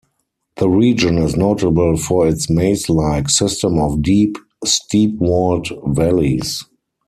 The region is notable for its maze-like system of deep, steep-walled valleys.